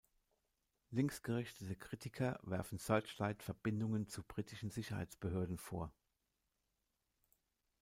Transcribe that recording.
Linksgerichtete Kritiker werfen "Searchlight" Verbindungen zu britischen Sicherheitsbehörden vor.